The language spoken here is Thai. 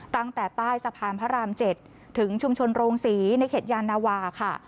ตั้งแต่ใต้สะพานพระราม๗ถึงชุมชนโรงศรีในเขตยานาวาค่ะ